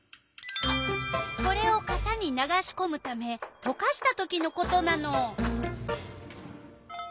これをかたに流しこむためとかしたときのことなの。